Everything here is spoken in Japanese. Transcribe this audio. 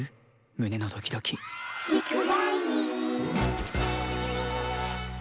むねのドキドキ」「リクライニング」